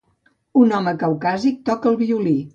Un home caucàsic toca el violí.